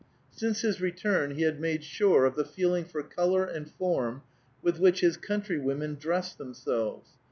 Since his return he had made sure of the feeling for color and form with which his country women dressed themselves.